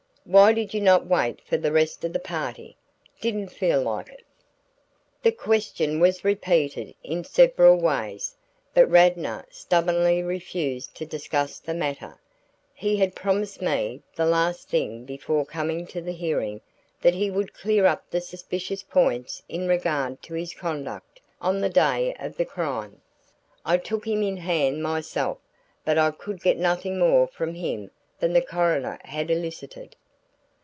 "Why did you not wait for the rest of the party?" "Didn't feel like it." The question was repeated in several ways, but Radnor stubbornly refused to discuss the matter. He had promised me, the last thing before coming to the hearing, that he would clear up the suspicious points in regard to his conduct on the day of the crime. I took him in hand myself, but I could get nothing more from him than the coroner had elicited.